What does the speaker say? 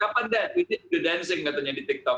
kapan dad we need to dancing katanya di tiktok